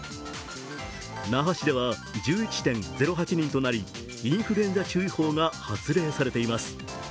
那覇市では１１．０８人となりインフルエンザ注意報が発令されています。